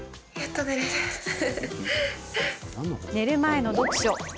寝る前の読書。